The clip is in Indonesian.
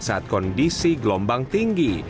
saat kondisi gelombang tinggi